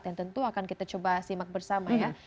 yang tentu akan kita coba simak bersama ya